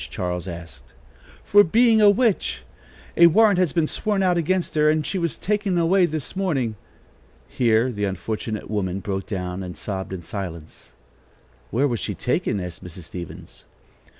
Charles asked. "For being a witch. A warrant has been sworn out against her, and she was taken away this morning." Here the unfortunate young woman broke down and sobbed in silence. "Where was she taken?" asked Mrs. Stevens.